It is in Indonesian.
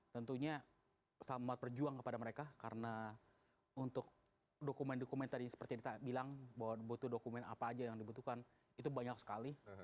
tentunya selamat berjuang kepada mereka karena untuk dokumen dokumen tadi seperti yang kita bilang bahwa butuh dokumen apa aja yang dibutuhkan itu banyak sekali